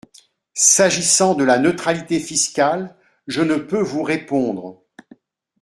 S’agissant de la neutralité fiscale, je ne peux vous répondre.